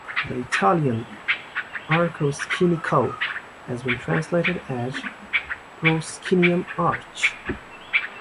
The Italian "arco scenico" has been translated as "proscenium arch.